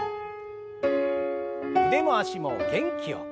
腕も脚も元気よく。